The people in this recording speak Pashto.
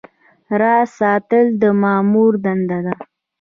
راز ساتل د مامور دنده ده